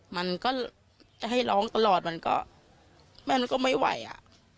มันก็จะให้ร้องตลอดมันก็แม่มันก็ไม่ไหวอ่ะ